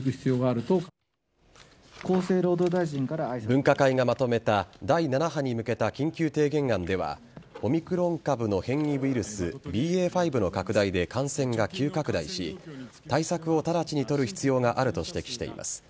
分科会がまとめた第７波に向けた緊急提言案ではオミクロン株の変異ウイルスＢＡ．５の拡大で感染が急拡大し対策を直ちに取る必要があると指摘しています。